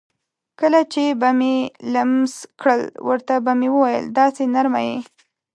کله چې به مې لمس کړل ورته به مې وویل: داسې نرمه یې.